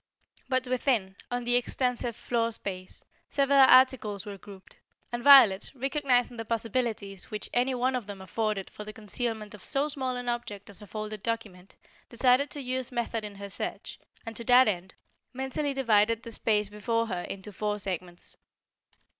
But within, on the extensive floor space, several articles were grouped, and Violet, recognizing the possibilities which any one of them afforded for the concealment of so small an object as a folded document, decided to use method in her search, and to that end, mentally divided the space before her into four segments.